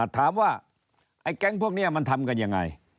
ถามว่าไอ้แก๊งพวกนี้มันทำกันอย่างไร